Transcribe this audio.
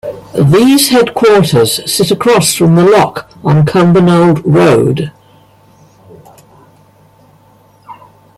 These headquarters sit across from the loch on Cumbernauld Road.